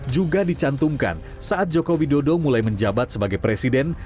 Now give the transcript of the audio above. juga dicantumkan saat jokowi dodo mulai menjabat sebagai presiden